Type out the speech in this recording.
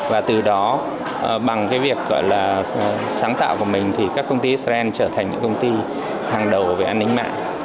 và từ đó bằng cái việc gọi là sáng tạo của mình thì các công ty israel trở thành những công ty hàng đầu về an ninh mạng